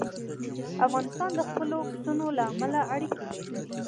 افغانستان د خپلو پسونو له امله اړیکې لري.